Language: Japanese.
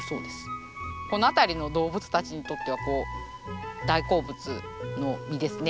この辺りの動物たちにとっては大好物の実ですね。